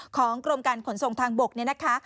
ของกรมการขนส่งทางบกเนี่ยนะคะ